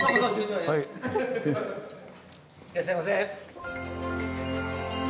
いらっしゃいませ。